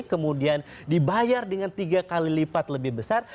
kemudian dibayar dengan tiga kali lipat lebih besar